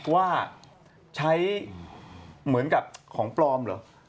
ว่าใช้เหมือนกับของปลอมเหรอ